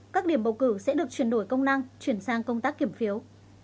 các điểm bầu cử sẽ được chuyển đổi công năng chuyển sang công tác kiểm phiếu